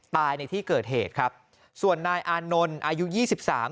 ในที่เกิดเหตุครับส่วนนายอานนท์อายุยี่สิบสาม